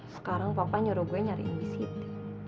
sekarang papa nyuruh gue nyariin bisiti